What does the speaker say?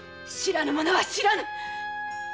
知らぬものは知らぬ！